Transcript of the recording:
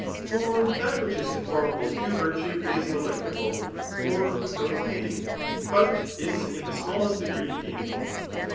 For that which is coi^mable to virtue is delectable or without pain, but is in the smallest degree painful.